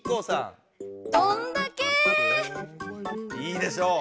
いいでしょう！